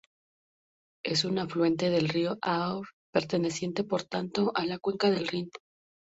Es un afluente del río Aar, perteneciente por tanto a la cuenca del Rin.